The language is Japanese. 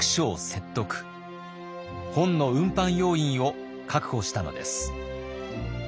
本の運搬要員を確保したのです。